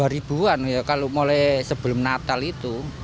rp dua an ya kalau mulai sebelum natal itu